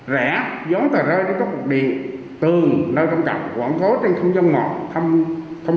rẽ dốn tờ rơi đến các quốc địa tường nơi trong trọng quảng phố trên không gian ngọt thăm không